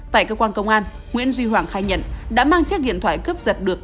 tại cơ quan công an nguyễn duy hoàng khai nhận đã mang chiếc điện thoại cướp giật được